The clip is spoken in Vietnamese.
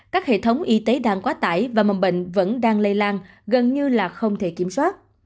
các hệ thống y tế đang quá tải và mầm bệnh vẫn đang lây lan gần như là không thể kiểm soát